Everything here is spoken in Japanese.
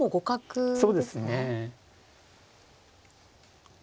そうですね。